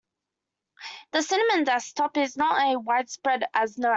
The cinnamon desktop is not as widespread as gnome.